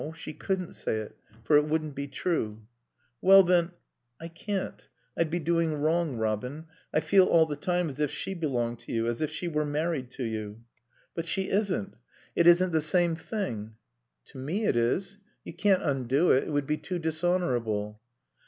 She couldn't say it; for it wouldn't be true. "Well, then " "I can't. I'd be doing wrong, Robin. I feel all the time as if she belonged to you; as if she were married to you." "But she isn't. It isn't the same thing." "To me it is. You can't undo it. It would be too dishonorable."